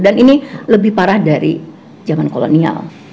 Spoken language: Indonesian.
dan ini lebih parah dari zaman kolonial